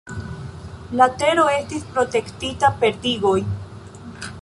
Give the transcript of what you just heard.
La tero estis protektita per digoj.